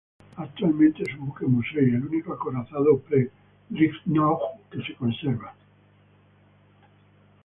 Actualmente es un buque museo y el único acorazado pre-dreadnought que se conserva.